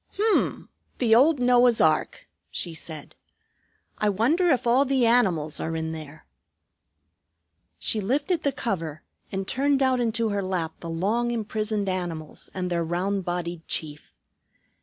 "H'm! The old Noah's ark," she said. "I wonder if all the animals are in there." She lifted the cover, and turned out into her lap the long imprisoned animals and their round bodied chief.